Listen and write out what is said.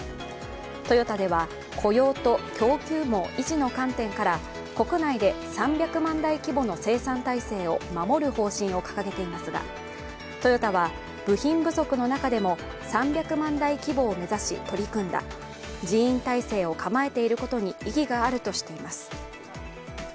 トヨタでは雇用と供給の維持の観点から国内で３００万台規模の生産体制を守る方針を掲げていますがトヨタは部品不足の中でも３００万台規模を目指し取り組んだ人員体制を構えていることに意義があるとしています。